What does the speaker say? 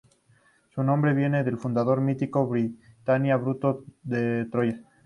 Su nombre viene del fundador mítico de Britania, Bruto de Troya.